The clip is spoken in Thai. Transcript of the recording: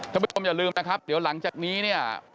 ถ้าผู้ชมอย่าลืมนะครับเดี๋ยวหลังจากนี้